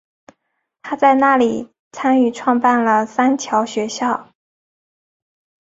她在那里参与创办了三桥学校。